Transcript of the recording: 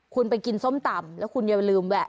คุณไปกินส้มตำแล้วคุณอย่าลืมแวะ